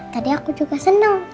tadi aku juga seneng